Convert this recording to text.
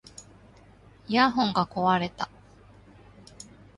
イヤホンが壊れた